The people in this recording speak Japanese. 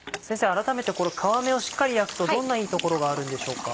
改めてこの皮目をしっかり焼くとどんないいところがあるんでしょうか。